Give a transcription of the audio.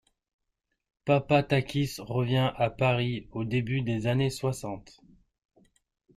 Papatakis revient à Paris au début des années soixante.